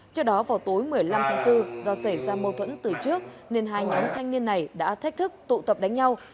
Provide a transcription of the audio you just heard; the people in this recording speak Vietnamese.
trước đó vào tối một mươi năm tháng bốn do xảy ra mâu thuẫn từ trước nên hai nhóm thanh niên này đã thách thức tụ tập đánh nhau